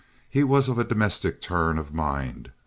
He was of a domestic turn of mind.